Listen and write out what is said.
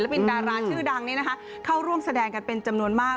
งานนี้ก็มีศิลปินดาราชื่อดังนี่นะคะเข้าร่วมแสดงกันเป็นจำนวนมาก